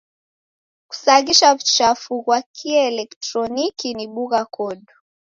Kusaghisa w'uchafu ghwa kieletroniki ni bugha kodu.